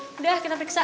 udah kita periksa